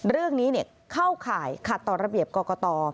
เรื่องนี้เข้าข่ายขัดต่อระเบียบกรกต